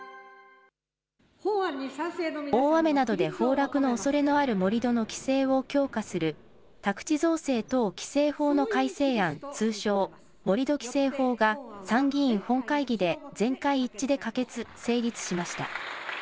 大雨などで崩落のおそれのある盛り土の規制を強化する宅地造成等規制法の改正案、通称、盛土規制法が参議院本会議で全会一致で可決・成立しました。